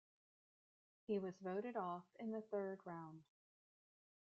He was voted off in the third round.